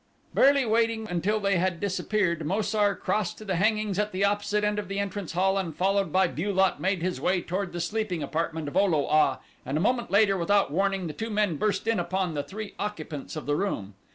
Barely waiting until they had disappeared Mo sar crossed to the hangings at the opposite end of the entrance hall and followed by Bu lot made his way toward the sleeping apartment of O lo a and a moment later, without warning, the two men burst in upon the three occupants of the room.